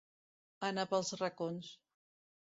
Anar pels racons.